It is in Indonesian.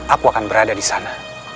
aku akan berada disana